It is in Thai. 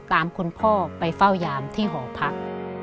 ตามคุณพ่อไปเฝ้ายามที่หอพัก